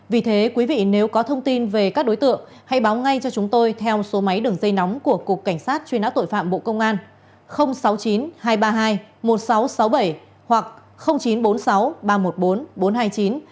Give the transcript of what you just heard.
vì thế quý vị nếu có thông tin về các đối tượng hãy báo ngay cho chúng tôi theo số máy đường dây nóng của cục cảnh sát truy nã tội phạm bộ công an